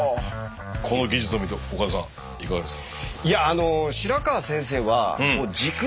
この技術を見て岡田さんいかがですか？